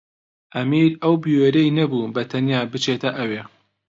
ئەمیر ئەو بوێرییەی نەبوو بەتەنیا بچێتە ئەوێ.